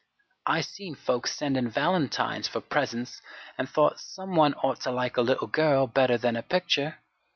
"I seen folks sendin' valentines for presents an' thought some one ought to like a little girl better than a picture.